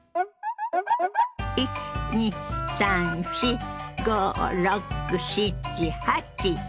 １２３４５６７８。